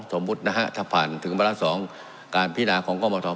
สมมุตินะฮะถ้าผ่านถึงวาระ๒การพินาของกรมทร